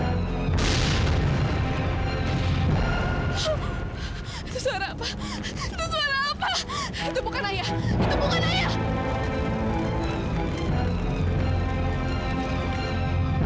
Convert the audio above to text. itu suara apa itu bukan ayah itu bukan ayah